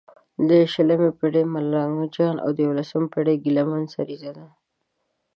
د شلمې پېړۍ ملنګ جان او د یوویشمې پېړې ګیله من سریزه ده.